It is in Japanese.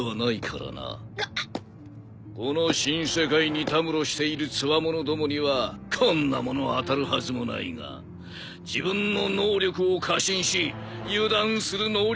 この新世界にたむろしているつわものどもにはこんなもの当たるはずもないが自分の能力を過信し油断する能力者にはよく効く。